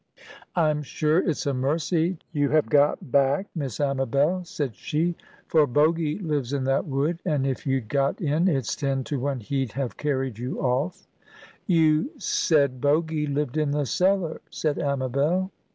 "I'm sure it's a mercy you have got back, Miss Amabel," said she; "for Bogy lives in that wood; and, if you'd got in, it's ten to one he'd have carried you off." "You said Bogy lived in the cellar," said Amabel.